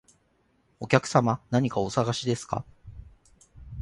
お客様、何かお探しですか？